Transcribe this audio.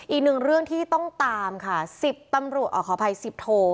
อีกหนึ่งเรื่องที่ต้องตามค่ะ๑๐ตำรวจขออภัยสิบโท